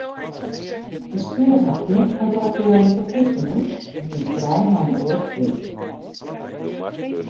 De spiler hat gjin kontraktuele ferplichtingen en kin frij nei in oare klup.